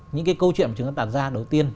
những cái câu chuyện chúng ta đặt ra đầu tiên